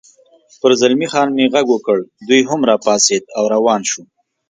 پر زلمی خان مې غږ وکړ، دی هم را پاڅېد او روان شو.